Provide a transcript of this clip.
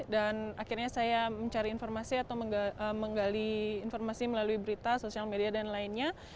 dan akhirnya saya mencari informasi atau menggali informasi melalui berita sosial media dan lainnya